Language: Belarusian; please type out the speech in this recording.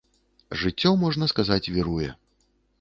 Жыццё, можна сказаць, віруе.